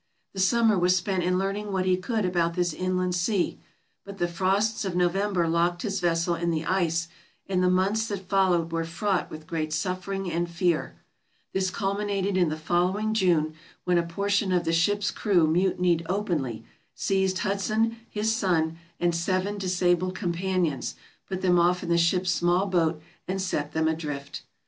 The summer was spent in learning what he could about this inland sea, but the frosts of November locked his vessel in the ice and the months that followed were fraught with great suffering and fear. This culminated in the following June, when a portion of the ship's crew mutinied openly, seized Hudson, his son, and seven disabled companions, put them off in the ship's small boat and set them adrift.